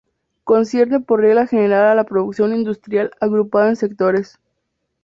Concierne por regla general a la producción industrial agrupada en sectores.